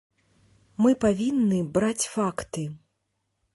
Мы павінны браць факты.